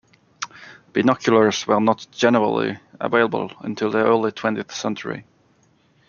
Binoculars were not generally available until the early twentieth century.